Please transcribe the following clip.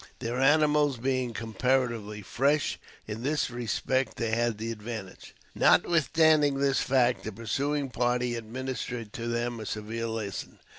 Their animals being comparatively fresh, in this respect they had the advantage. Notwithstanding this fact, the pursuing party administered to them a severe lesson.